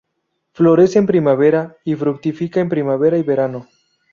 Florece en primavera y fructifica en primavera y verano.